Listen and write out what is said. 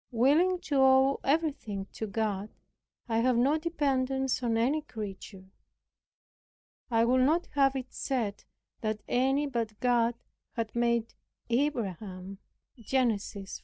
Willing to owe everything to God, I have no dependence on any creature. I would not have it said that any but God had made Abraham rich.